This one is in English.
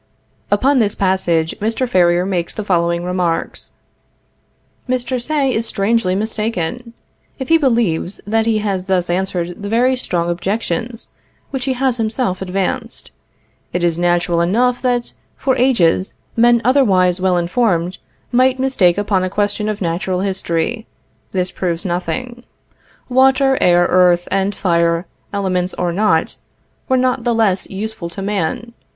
Upon this passage Mr. Ferrier makes the following remarks: "Mr. Say is strangely mistaken, if he believes that he has thus answered the very strong objections which he has himself advanced. It is natural enough that, for ages, men otherwise well informed, might mistake upon a question of natural history; this proves nothing. Water, air, earth, and fire, elements or not, were not the less useful to man....